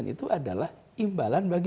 itu adalah imbalan bagi